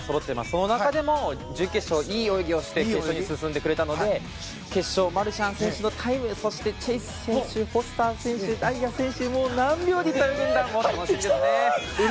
その中でも準決勝いい泳ぎをして決勝に進んでくれたので決勝でマルシャン選手のタイムそして、チェイス選手フォスター選手、大也選手何秒でいくんだって気になります。